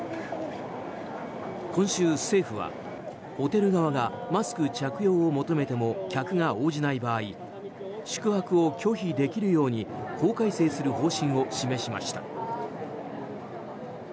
今週、政府はホテル側がマスク着用を求めても客が応じない場合宿泊を拒否できるように法改正する方針を示しました。